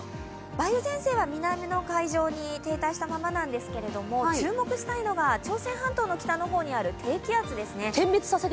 梅雨前線は南の海上に停滞したまんまなんですけど注目したいのが朝鮮半島の北の方にある低気圧ですね。